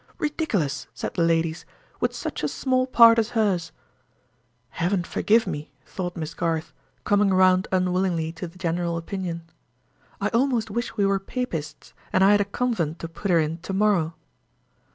"Ridiculous!" said the ladies, "with such a small part as hers." "Heaven forgive me!" thought Miss. Garth, coming round unwillingly to the general opinion. "I almost wish we were Papists, and I had a convent to put her in to morrow."